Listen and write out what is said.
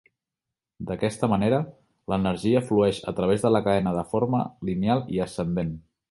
D'aquesta manera, l'energia flueix a través de la cadena de forma lineal i ascendent.